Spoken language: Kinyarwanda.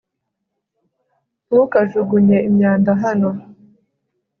ntukajugunye imyanda hano